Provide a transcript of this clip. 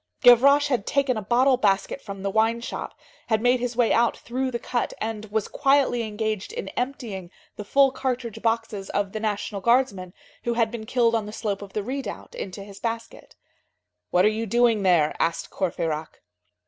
Gavroche had taken a bottle basket from the wine shop, had made his way out through the cut, and was quietly engaged in emptying the full cartridge boxes of the National Guardsmen who had been killed on the slope of the redoubt, into his basket. "What are you doing there?" asked Courfeyrac.